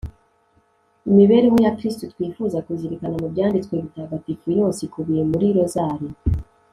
imibereho ya kristu twifuza kuzirikana mu byanditswe bitagatifu, yose ikubiye muri rozari